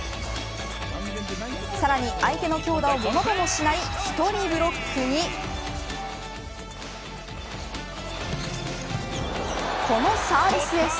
さらに相手の強打をものともしない１人ブロックにこのサービスエース。